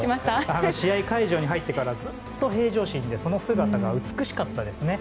試合会場に入ってからずっと平常心でその姿が美しかったですね。